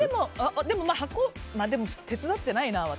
でも、手伝ってないな私。